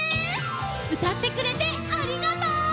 うたってくれてありがとう！